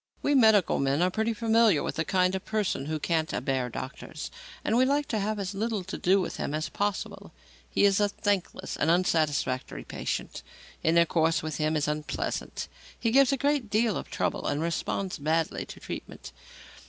We medical men are pretty familiar with the kind of person who "can't abear doctors," and we like to have as little to do with him as possible. He is a thankless and unsatisfactory patient. Intercourse with him is unpleasant, he gives a great deal of trouble and responds badly to treatment.